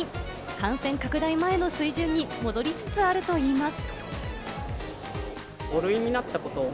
感染拡大前の水準に戻りつつあるといいます。